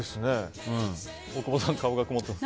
大久保さん、顔が曇ってます。